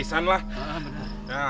ya sudah selesai